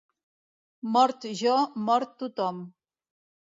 Mort jo, mort tothom.